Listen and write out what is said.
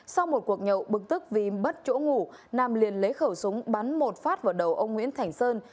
sau một cuộc nhậu bực tức vì mất chỗ ngủ nam liền lấy khẩu súng bắn một phát vào đầu ông nguyễn thành sơn